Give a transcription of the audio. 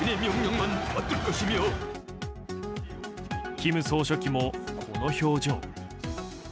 金総書記も、この表情。